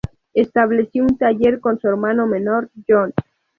Estableció un taller con su hermano menor, John.